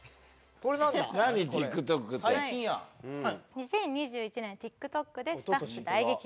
「２０２１年ＴｉｋＴｏｋでスタッフ大激怒！」